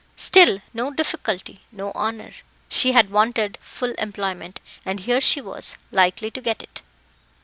Still, no difficulty no honour. She had wanted full employment, and here she was likely to get it.